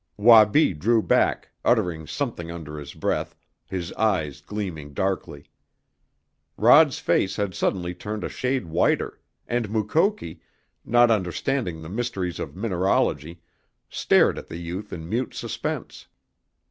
Wabi drew back, uttering something under his breath, his eyes gleaming darkly. Rod's face had suddenly turned a shade whiter, and Mukoki, not understanding the mysteries of mineralogy, stared at the youth in mute suspense.